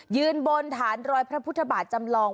ยืนบนฐานรอยพระพุทธบาทจำลอง